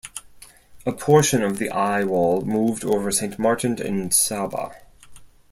A portion of the eyewall moved over Saint Martin and Saba.